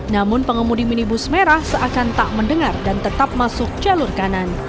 namun pengemudi minibus merah seakan tak mendengar dan tetap masuk jalur kanan